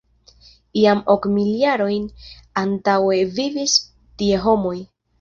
Jam ok mil jarojn antaŭe vivis tie homoj.